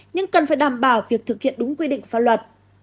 nhưng cần phải đảm bảo việc thực hiện đúng quy định pháp luật